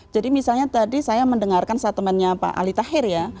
jadi misalnya tadi saya mendengarkan saat temannya pak ali taher ya